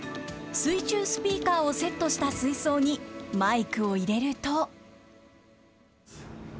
水中スピーカーをセットした水槽にマイクを入れると。